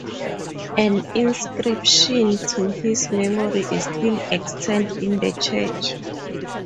An inscription to his memory is still extant in the church.